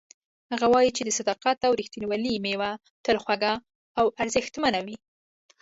هغه وایي چې د صداقت او ریښتینولۍ میوه تل خوږه او ارزښتمنه وي